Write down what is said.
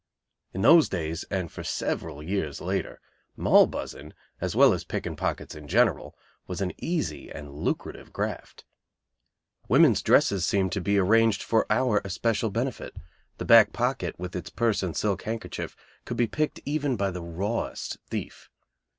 In those days, and for several years later, Moll buzzing, as well as picking pockets in general, was an easy and lucrative graft. Women's dresses seemed to be arranged for our especial benefit; the back pocket, with its purse and silk handkerchief could be picked even by the rawest thief.